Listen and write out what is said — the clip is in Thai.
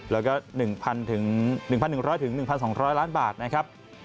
แล้วก็๑๐๐๑๑๐๐๑๒๐๐ล้านบาทนะครับ